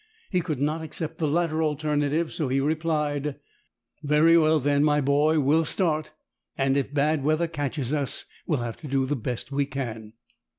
He could not accept the latter alternative, so he replied,— "Very well then, my boy, we'll start; and if bad weather catches us, we'll have to do the best we can."